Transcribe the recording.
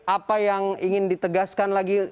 apa yang ingin ditegaskan lagi